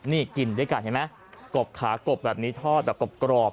นี่กินด้วยกันเห็นไหมกบขากบแบบนี้ทอดแบบกรอบ